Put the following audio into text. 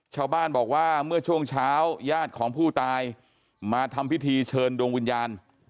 ชาวบ้านบอกว่าเมื่อช่วงเช้าญาติของผู้ตายมาทำพิธีเชิญดวงวิญญาณ